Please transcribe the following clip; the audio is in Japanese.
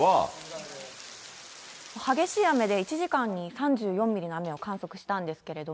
激しい雨で、１時間に３４ミリの雨を観測したんですけれども。